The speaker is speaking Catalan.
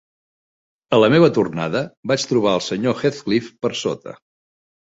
A la meva tornada, vaig trobar eI Sr. Heathcliff per sota.